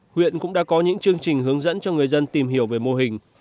huyện cũng đã có những chương trình hướng dẫn cho người dân tìm hiểu về mô hình